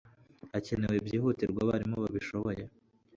harakenewe byihutirwa abarimu babishoboye